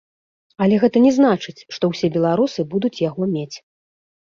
Але гэта не значыць, што ўсе беларусы будуць яго мець.